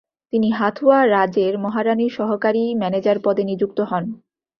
তিনি হাথওয়া রাজের মহারাণীর সহকারী ম্যানেজার পদে নিযুক্ত হন।